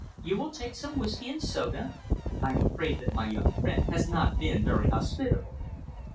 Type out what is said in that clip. You will take some whisky and soda? I am afraid that my young friend has not been very hospitable."